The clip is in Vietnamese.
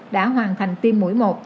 đã hoàn thành tiêm mũi một